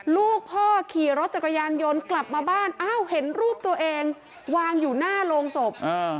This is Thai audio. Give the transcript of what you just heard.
ลูกพ่อขี่รถจักรยานยนต์กลับมาบ้านอ้าวเห็นรูปตัวเองวางอยู่หน้าโรงศพ